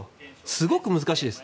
すごく難しいです。